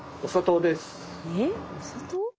えっお砂糖？